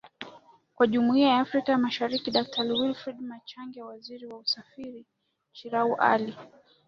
wa Jumuiya ya Afrika ya Mashariki Daktari Wilfred Machage Waziri wa usafiri Chirau Ali